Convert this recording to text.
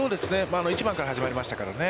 １番から始まりましたからね。